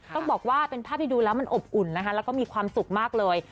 ต้องบอกว่าเป็นภาพที่ดูแล้วมันอบอุ่นนะคะแล้วก็มีความสุขมากเลย